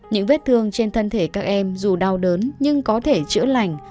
những vết thương trên thân thể các em dù đau đớn nhưng có thể chữa lành